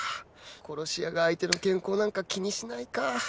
殺し屋が相手の健康なんか気にしないか